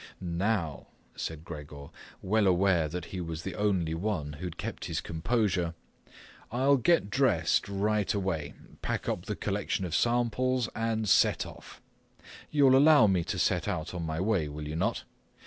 "Now," said Gregor, well aware that he was the only one who had kept his composure. "I'll get dressed right away, pack up the collection of samples, and set off. You'll allow me to set out on my way, will you not?